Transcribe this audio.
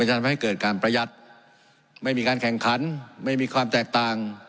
ทำให้เกิดการประหยัดไม่มีการแข่งขันไม่มีความแตกต่าง